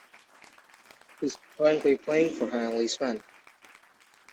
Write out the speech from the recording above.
He is currently playing for Hanley Swan.